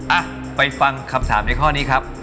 อ่ะไปฟังคำถามในข้อนี้ครับ